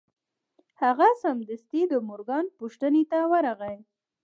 هغه سمدستي د مورګان پوښتنې ته ورغی